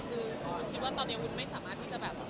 คือวุ้นคิดว่าตอนนี้วุ้นไม่สามารถที่จะแบบ